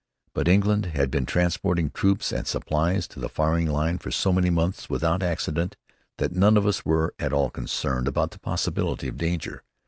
But England had been transporting troops and supplies to the firing line for so many months without accident that none of us were at all concerned about the possibility of danger.